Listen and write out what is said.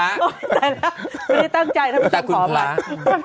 ตายแล้วไม่ได้ตั้งใจทำคำขอบาย